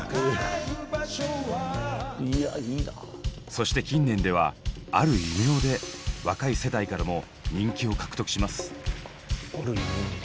そして近年では「ある異名」で若い世代からも人気を獲得します。